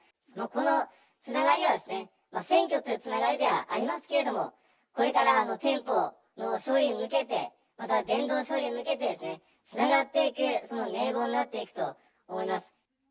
このつながりは、選挙というつながりではありますけれども、これから天ぽうの勝利の向けて、また伝道勝利へ向けて、つながっていく、その名簿になっていくと思います。